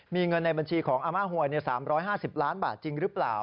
มีเงินในบัญชีของอาม่าหวย๓๕๐ล้านบาทจริงหรือเปล่า